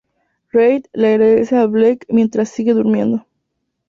Reid le agradece a Blake mientras sigue durmiendo.